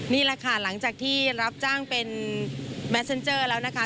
นี่แหละค่ะหลังจากที่รับจ้างเป็นแมทเซ็นเจอร์แล้วนะคะ